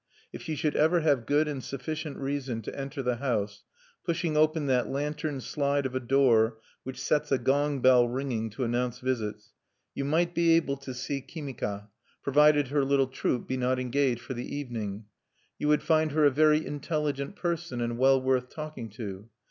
If you should ever have good and sufficient reason to enter the house, pushing open that lantern slide of a door which sets a gong bell ringing to announce visits, you might be able to see Kimika, provided her little troupe be not engaged for the evening. You would find her a very intelligent person, and well worth talking to.